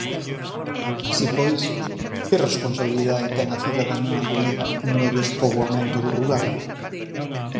Así pois, que responsabilidade ten a cidadanía galega no despoboamento do rural?